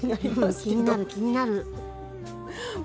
気になる気になる。